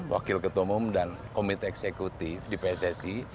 wakil ketua umum dan komite eksekutif di pssi